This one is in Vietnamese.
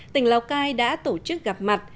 tỉnh lào cai đã tổ chức gặp mặt